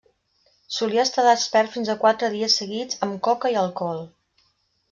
Solia estar despert fins a quatre dies seguits amb coca i alcohol.